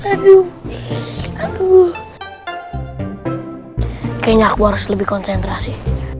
kayaknya aku harus lebih konsentrasi